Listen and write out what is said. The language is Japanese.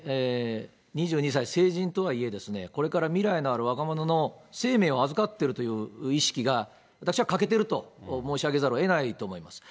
２２歳、成人とはいえ、これから未来のある若者の生命を預かってるという意識が、私は欠けていると申し上げざるをえないと思います。